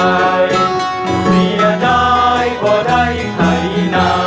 หรือได้บ่าได้ไข่นา